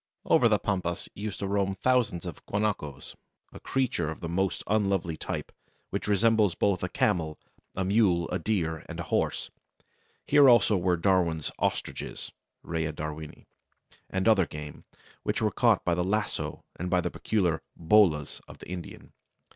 Over the Pampas used to roam thousands of guanacos (a creature of the most unlovely type, which resembles both a camel, a mule, a deer, and a horse); here also were Darwin's ostriches (Rhea Darwinii) and other game, which were caught by the lasso and by the peculiar "bolas" of the Indians.